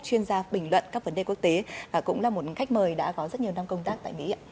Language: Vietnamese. chuyên gia bình luận các vấn đề quốc tế và cũng là một khách mời đã có rất nhiều năm công tác tại mỹ